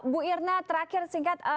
bu irna terakhir singkat